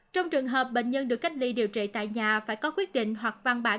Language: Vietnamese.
trong trường hợp bệnh nhân được cách ly điều trị tại nhà phải có quyết định hoặc văn bản